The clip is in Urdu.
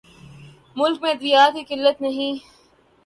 ملک میں ادویات کی قلت نہیں